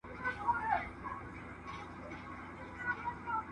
تاسي په ادب خبري کوئ.